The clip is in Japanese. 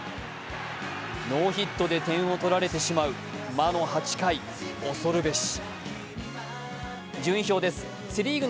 ノーヒットで点を取られてしまう魔の８回、恐るべし。